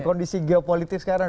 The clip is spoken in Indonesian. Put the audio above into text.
kondisi geopolitik sekarang